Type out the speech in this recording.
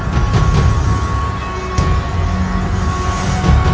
kau telah mengobatiku